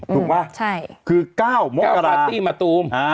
ถูกปะคือ๙มกรา๙ปาร์ตี้มาตูม